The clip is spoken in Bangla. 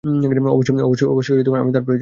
অবশ্যই, আমি তার প্রয়োজন!